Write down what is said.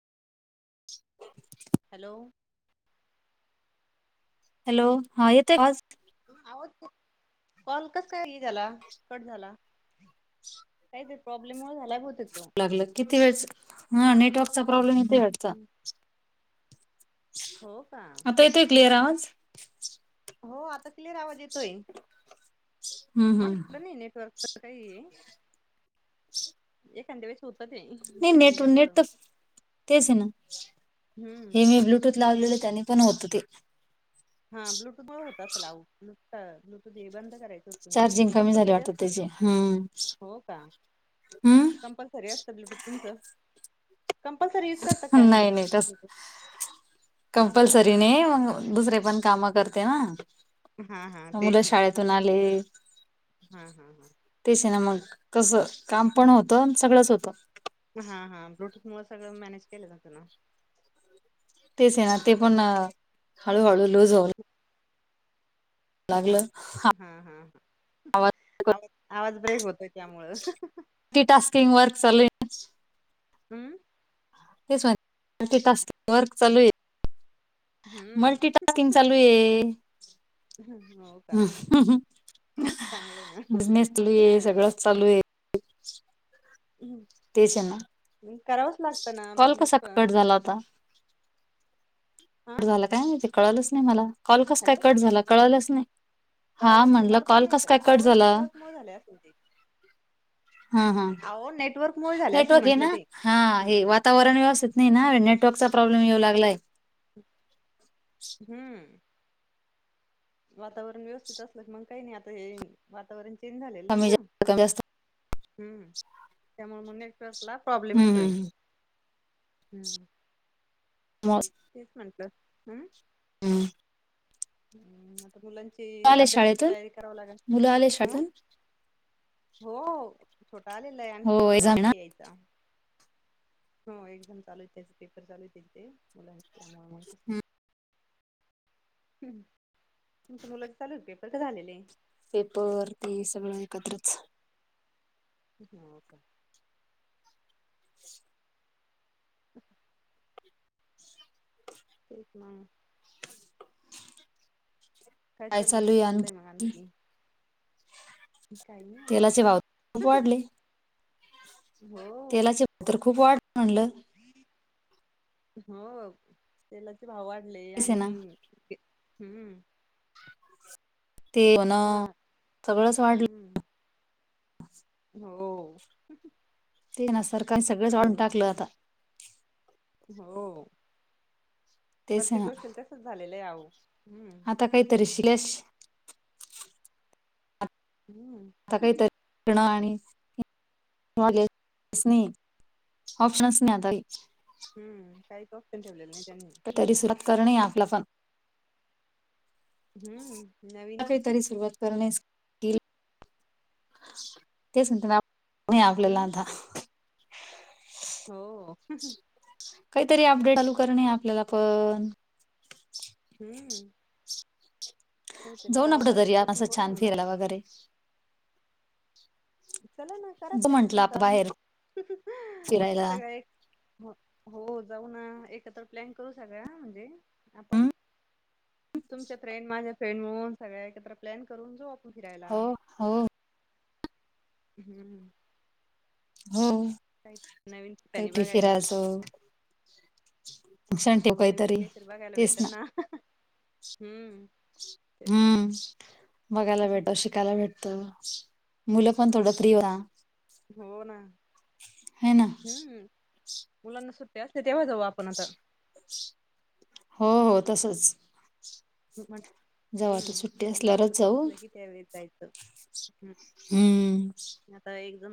[unintelligible] Hello hello हा येत का आवाज आवो कॉल कसं काय हे झाला कट झाला. काही तरी प्रॉब्लेम मुळं झाला ब लागलं किती वेळच हा नेटवर्कचा प्रॉब्लेम येतोय वाटतं. हो का आता येतोय क्लिअर आवाज हो आता क्लिअर आवाज येतोय, हम्म हम्म माझ्याकड नाही नेटवर्क काही, एखाद्या वेळेस होत ते नाही कमी नेट, जास्त नेट तर तेच हे ना, हम्म हे मी ब्लू ब्लूथूट लावलेलं त्याने पण होत ते हा, ब्लूटूथ मूळ होत असंलं आवो, ब्लूटूथ हे बंद करायचं. चार्जिंग कमी झाली कंपल्सरी वाटतं असतं, त्याची हम्म हो का हम्म कम्पल तरी असत ब्लूटूथ तुमचं कंपल्सरी यूज करता काय म्हटलं, नाही बी नाही तस ब्लूटूथ? नाही का कंपल्सरी नाही मग दुसरे पण काम करते हं हा हा तेच मुलं ना शाळेतून आले. हा हा हा तेच्यान मग कसं काम पण होतं, सगळंच होतं हा, हा ब्लूटूथ मुळ सगळं मॅनेज केलं जात ना तेच हे ना ते पण हळूहळू लूज हो हा, हा, हा, हा आवाज, आवाज ब्रेक होतो त्यामुळं ते टास्ककींग वर्क्स चालूयं हम्म तेच म्हणलं टास्किंग वर्क चालूयं हम्म मल्टी टास्किंग चालूये हो का चांगलंय ना बिझनेसतली सगळंच चालूय हम् तेच हे ना आणि करावंच लागतं ना, कॉल बिझनेस कसा पण [unintelligible] हा कट झालं काय? म्हणजे कळालच नाही मला, कॉल कस काय हॅलो कट झाला कळालच नाही हा कळालंच नाही म्हणलं मला पण कॉल नाही कस का. काय कट अहो झाला नेटवर्क मुळे झाले असेल ते ह, ह अहो नेटवर्क मुळे झाले असेल नेटवर्क आहे म्हंटलं ना? ते हा हम्म वातावरण [unintelligible] नाही ना नेटवर्कचा प्रॉब्लेम येऊ लागलाय हम्म वातावरण व्यवस्थित असलं की मग काही नाही आता हे, वातावरण चेंज झालेलं हे कमी ना जास्त कमी जास्त हम्, त्यामुळ म नेटवर्कला प्रॉब्लेम हम्म येतोय. हम्म हम्म मस्त तेच म्हणल, हम्म हम्म हम्, आता मुलांची आले अभ्यासाची शाळेतून तयारी करावी लागन, मुलं आले हम शाळेतून हो, छोटा आलेला हाय, आणखी हो मोठा एक्झाम बाकी ना हेय यायचा. हो, एक्झाम चालूयं त्याचे पेपर चालूयं त्या ते मुलांचे त्यामुळे. मग तुमच्या मुलाचे चालूयं पेपर की झालेले हेय? पेपर ती सगळं एकत्रच हो का [unintelligible] [unintelligible] [unintelligible] तेच मंग काय चालून, चाललय म आणखी काही नाही आता. तेलाचे भाव खूप ह ह. वाढले तेलाचे चे दर खूप वाढले म्हणलं. हो. तेलाचे भाव वाढले तेच आहे आणि ना हम्म. ते म्हण. मग सगळंच वाढलं. हम्म. हो. ते ना सरकार सगळेंच वाढून सोन टाकलं आता. हो. तेच प्रत्येक आहे ना गोष्टीला तसच झालेलं आहे आव. हम्म. आता काही तरीशिलेच. हम्म. आता काहीतरी शिकणं आणि ऑप्शन्स नाही आता [unintelligible] हम्म. काहीच ऑपशन ठेवलेलं नाही त्यांनी. तरी सुरुवात करणे आपला पण हम्म. नवीन काहीतरी सुरुवात करणेस तेच म्हते ना आपल्याला हम्म आता. हो. काहीतरी अपडेट चालू करणे आपल्याला पण. हम्म. काहीतरी जाऊ ना आपन करावं कुठे तरी लागेल बसून असं थोडं छान जमणार आहे फिरयला आता वगैरे. चला ना करा जाऊ प्लॅन म्हंटलं आपण तुमचा. बाहेर हम्म. फिरायला सगळ्या एकत्र हो हो. जाऊ ना एकत्र प्लॅन करू सगळ्या म्हणजे हम्म आपण. तुमच्या फ्रेंड माझ्या फ्रेंड म्हणून सगळ्या एकत्र प्लॅन करून जाऊ आपण फिरायला. हो हो हम्म. हो काही नवीन ठिकाणी काहीतरी बघायला फिरायच. हम्म. फक्षण ठेव नवीन काहीतरी. बघायला तेच भेटल ना. हम्म ते हम्म. बघायला भेटत. शिकायला भेटत. मुलं पण थोडं फ्री राहत. हो ना. ह ना. हम्म मुलांना सुट्ट्या असते तेव्हा जाऊ आपण आता. हो हो तसच. जेव्हा आता हम्म. सुट्टी मुलाना असल्यावरच सुट्टी जाऊ असलं की त्या वेळी जायचं. हम्म. आता एकदम